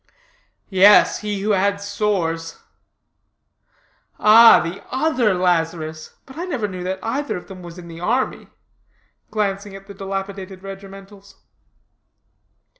"Yes, he who had sores." "Ah, the other Lazarus. But I never knew that either of them was in the army," glancing at the dilapidated regimentals.